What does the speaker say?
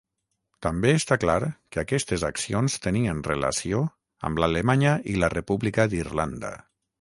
També està clar que aquestes accions tenien relació amb l'Alemanya i la República d'Irlanda.